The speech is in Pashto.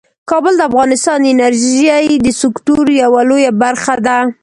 کابل د افغانستان د انرژۍ د سکتور یوه لویه برخه ده.